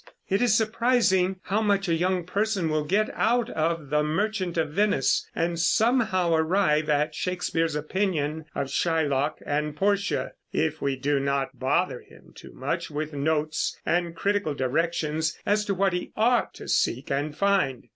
It is surprising how much a young person will get out of the Merchant of Venice, and somehow arrive at Shakespeare's opinion of Shylock and Portia, if we do not bother him too much with notes and critical directions as to what he ought to seek and find.